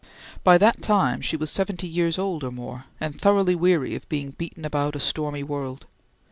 By that time she was seventy years old or more, and thoroughly weary of being beaten about a stormy world.